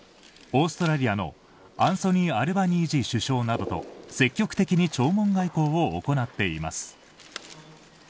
オーストラリアのアンソニー・アルバジーニ首相などと積極的に弔問外交を行っています。